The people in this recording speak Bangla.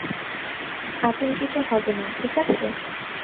আতঙ্কিত হবে না, ঠিক আছে?